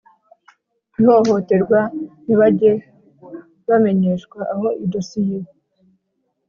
ihohoterwa ntibajye bamenyeshwa aho idosiye